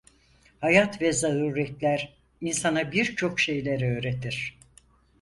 Hayat ve zaruretler insana birçok şeyler öğretir…